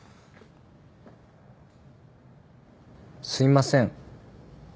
すいません。